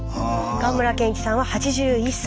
河村賢一さんは８１歳。